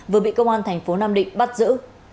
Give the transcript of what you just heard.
vừa bị công an thành phố nam định bắt giữ